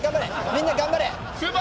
みんな頑張れ！